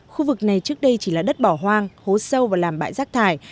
khu vực này trước đây chỉ là đất bỏ hoang hố sâu vào làm bãi rác thải